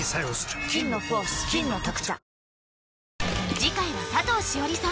次回は佐藤栞里さん